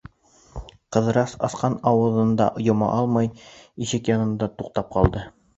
Ҡыҙырас, асҡан ауыҙын да йома алмай, ишек янында туҡтап ҡалды.